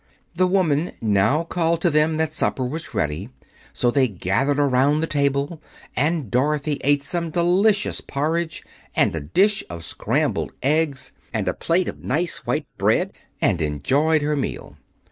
The woman now called to them that supper was ready, so they gathered around the table and Dorothy ate some delicious porridge and a dish of scrambled eggs and a plate of nice white bread, and enjoyed her meal.